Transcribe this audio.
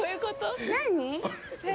何？